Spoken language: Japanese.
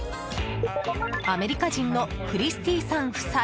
アメリカ人のクリスティーさん夫妻。